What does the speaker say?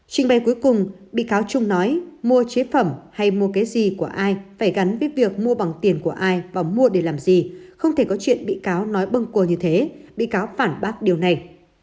trình bày cuối cùng bị cáo trung nói mua chế phẩm hay mua cái gì của ai phải gắn với việc mua bằng tiền của ai và mua để làm gì không thể có chuyện bị cáo nói bưng côa như thế bị cáo phản bác điều này